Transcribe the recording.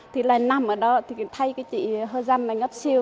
thì lại nằm ở đó thì thấy cái chị hơi răn là ngấp siêu